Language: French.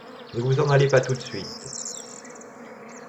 Ne vous en allez pas tout de suite.